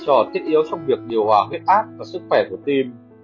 có vai trò thiết yếu trong việc điều hòa huyết áp và sức khỏe của tim